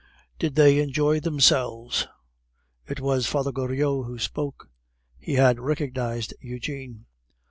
"Did they enjoy themselves?" It was Father Goriot who spoke. He had recognized Eugene.